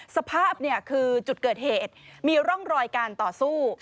สภาพคือจุดเกิดเหตุมีร่องรอยการต่อสู้